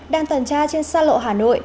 đang tần tra trên xa lộ hà nội